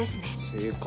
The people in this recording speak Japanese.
正解。